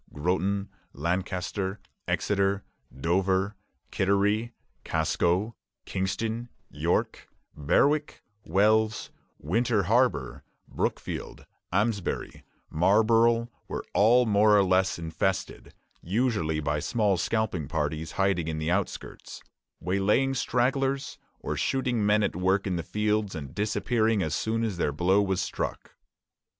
Groton, Lancaster, Exeter, Dover, Kittery, Casco, Kingston, York, Berwick, Wells, Winter Harbor, Brookfield, Amesbury, Marlborough, were all more or less infested, usually by small scalping parties, hiding in the outskirts, waylaying stragglers, or shooting men at work in the fields, and disappearing as soon as their blow was struck.